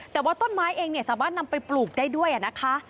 แต่ว่าต้นไม้เองเนี่ยสามารถนำไปปลูกได้ด้วยนะคะ